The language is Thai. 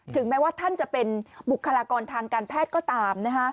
แม้ว่าท่านจะเป็นบุคลากรทางการแพทย์ก็ตาม